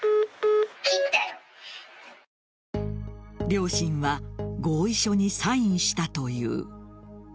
両親は合意書にサインしたという。